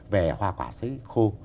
về hoa quả sấy khô